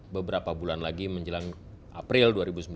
beberapa bulan lagi menjelang april dua ribu sembilan belas